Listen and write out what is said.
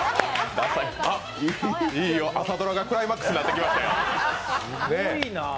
いいよ、朝ドラがクライマックスになってきた。